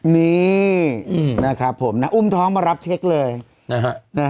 นี่อืมนะครับผมนะอุ้มท้องมารับเช็คเลยนะฮะนะฮะเห็นไหมพี่มิวว่า